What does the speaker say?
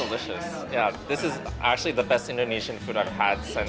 ini sebenarnya adalah makanan indonesia yang terbaik yang pernah saya makan